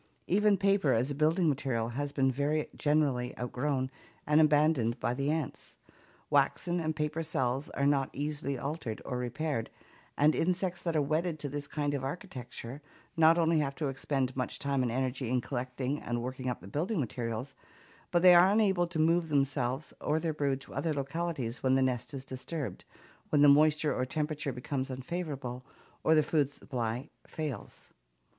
Even paper as a building material has been very generally outgrown and abandoned by the ants. Waxen and paper cells are not easily altered or repaired, and insects that are wedded to this kind of architecture, not only have to expend much time and energy in collecting and working up their building materials, but they are unable to move themselves or their brood to other localities when the nest is disturbed, when the moisture or temperature become unfavorable or the food supply fails.